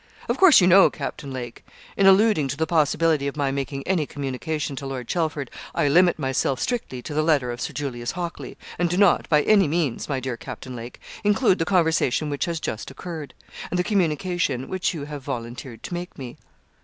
'Of course, you know, Captain Lake, in alluding to the possibility of my making any communication to Lord Chelford, I limit myself strictly to the letter of Sir Julius Hockley, and do not, by any means, my dear Captain Lake, include the conversation which has just occurred, and the communication which you have volunteered to make me.'